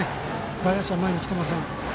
外野手は前に来てません。